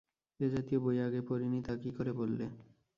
এ জাতীয় বই আমি আগে পড়িনি তা কি করে বললে?